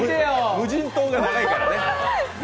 無人島が長いからね。